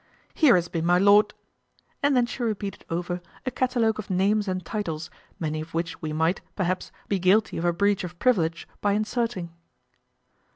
Here hath been my lord ," and then she repeated over a catalogue of names and titles, many of which we might, perhaps, be guilty of a breach of privilege by inserting.